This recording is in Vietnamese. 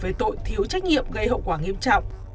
về tội thiếu trách nhiệm gây hậu quả nghiêm trọng